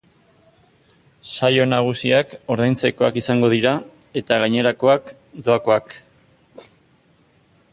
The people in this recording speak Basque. Saio nagusiak ordaintzekoak izango dira eta gainerakoak, doakoak.